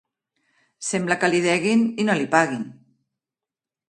Sembla que li deguin i no li paguin.